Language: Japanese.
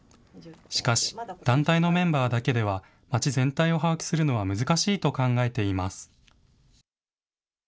しかし、団体のメンバーだけでは町全体を把握するのは難しいと考えています。